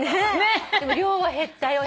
でも量は減ったよ。